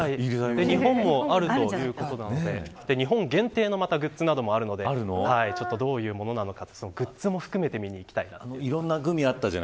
日本もあるということなので日本限定のグッズもあるということでどういったものなのかグッズも含めて見にいきたいと思います。